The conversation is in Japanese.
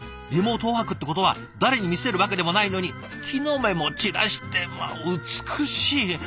リモートワークってことは誰に見せるわけでもないのに木の芽も散らして美しい。